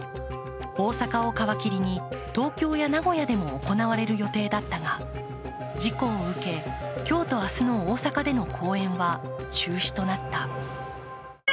大阪を皮切りに東京や名古屋でも行われる予定だったが事故を受け、今日と明日の大阪での公演は中止となった。